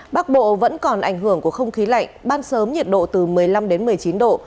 bắc bộ vẫn còn ảnh hưởng của không khí lạnh ban sớm nhiệt độ từ một mươi năm đến một mươi chín độ